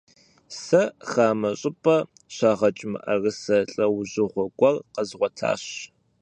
Сэ хамэ щӀыпӀэ щагъэкӀ мыӀэрысэ лӀэужьыгъуэ гуэр къэзгъуэтащ.